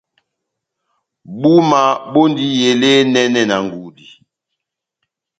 Búma bondi elé enɛnɛ na ngudi.